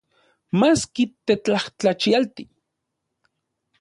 Maski tetlajtlachialti.